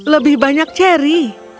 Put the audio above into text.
lebih banyak ceri